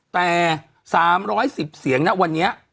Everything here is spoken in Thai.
แต่๓๑๐เสียงนะวันนี้